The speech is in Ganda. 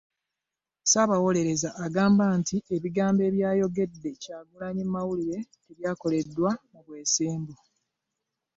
Ssaabawolereza agamba nti ebigambo ebyayogedde Kyagulanyi mu mawulire tebyakoleddwa mu bwesimbu.